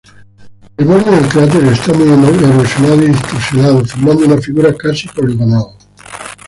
El borde del cráter está muy erosionado y distorsionado, formando una figura casi poligonal.